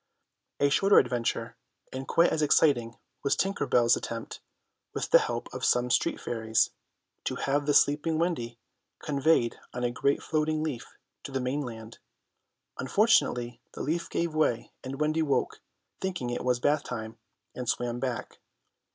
A shorter adventure, and quite as exciting, was Tinker Bell's attempt, with the help of some street fairies, to have the sleeping Wendy conveyed on a great floating leaf to the mainland. Fortunately the leaf gave way and Wendy woke, thinking it was bath time, and swam back.